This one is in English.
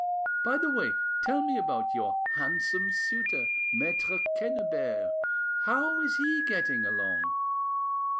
By the way, tell me about your handsome suitor, Maitre Quennebert; how is he getting along?"